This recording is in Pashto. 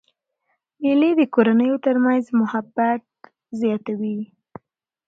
مېلې د کورنیو تر منځ محبت زیاتوي.